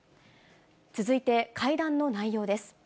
続いて、会談の内容です。